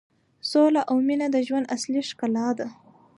سوله او مینه د ژوند اصلي ښکلا ده.